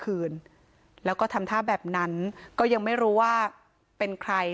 คืนแล้วก็ทำท่าแบบนั้นก็ยังไม่รู้ว่าเป็นใคร